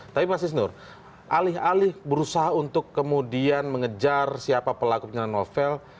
tapi mas isnur alih alih berusaha untuk kemudian mengejar siapa pelaku penyerangan novel